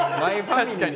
確かに。